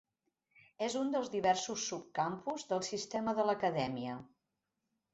És un dels diversos subcampus del sistema de l'Acadèmia.